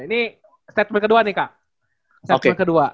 ini statement kedua nih kak